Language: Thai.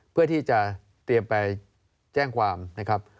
เพื่อที่จะเตรียมไปแจ้งความนะครับ